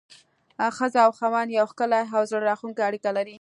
ښځه او خاوند يوه ښکلي او زړه راښکونکي اړيکه لري.